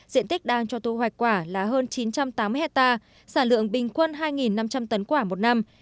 diện tích đang cho thu hoạch quả là hơn chín trăm tám mươi hectare sản lượng bình quân hai năm trăm linh tấn quả một năm